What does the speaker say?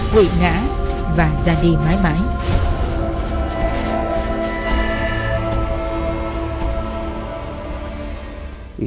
quỷ ngã và ra đi mãi mãi